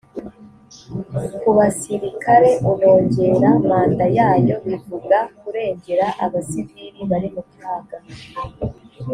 ku basirikare unongera manda yayo bivuga kurengera abasiviri bari mu kaga